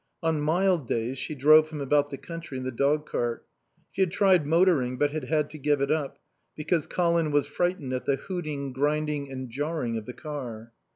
On mild days she drove him about the country in the dog cart. She had tried motoring but had had to give it up because Colin was frightened at the hooting, grinding and jarring of the car.